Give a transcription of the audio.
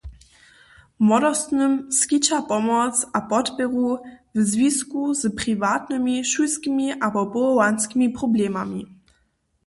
Młodostnym skića pomoc a podpěru w zwisku z priwatnymi, šulskimi abo powołanskimi problemami.